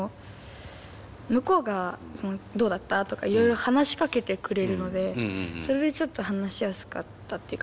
向こうがどうだった？とかいろいろ話しかけてくれるのでそれでちょっと話しやすかったっていうか。